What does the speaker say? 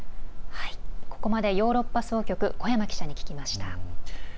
ここまでヨーロッパ総局古山記者に聞きました。